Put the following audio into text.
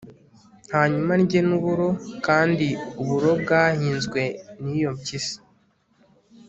hanyuma ndye n'uburo, kandi uburo bwahinzwe n'iyo mpyisi